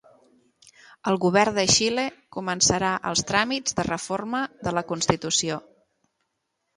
El govern de Xile començarà els tràmits de reforma de la constitució.